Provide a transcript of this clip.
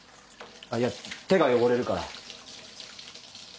あっいや手が汚れるから。